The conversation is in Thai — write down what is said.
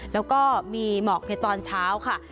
แล้วก็มีหมอกในตอนเช้าค่ะ